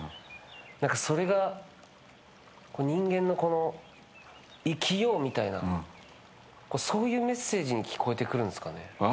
それが人間の生きようみたいなそういうメッセージに聞こえてくるんですかね。